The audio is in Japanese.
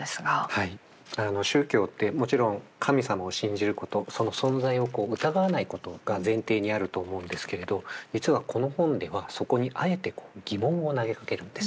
はい宗教ってもちろん神様を信じることその存在を疑わないことが前提にあると思うんですけれど実はこの本ではそこにあえて疑問を投げかけるんです。